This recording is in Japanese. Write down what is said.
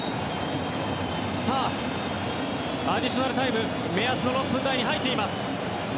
さあ、アディショナルタイム目安の６分台に入っています。